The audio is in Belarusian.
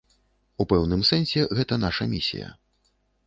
У пэўным сэнсе гэта наша місія.